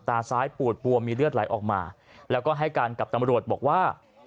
ตาซ้ายปูดบวมมีเลือดไหลออกมาแล้วก็ให้การกับตำรวจบอกว่า